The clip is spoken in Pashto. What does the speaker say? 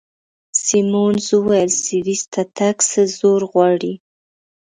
سیمونز وویل: سویس ته تګ څه زور غواړي؟